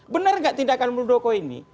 benar nggak tindakan muldoko ini